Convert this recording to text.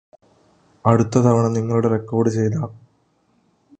അടുത്ത തവണ നിങ്ങളുടെ റെക്കോർഡ് ചെയ്ത